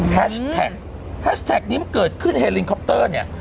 แฮชแท็กแฮชแท็กนี้มันเกิดขึ้นเฮลินคอปเตอร์เนี่ย